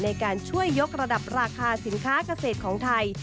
ในการช่วยยกระดับราคาสินค้าเกษตรของไทย